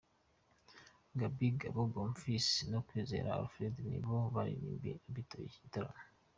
Gabby, Bobo Bonfils na Kwizera Alfred nibo baririmbiye abitabiriye iki gitaramo.